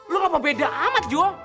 lo gak paham beda amat jho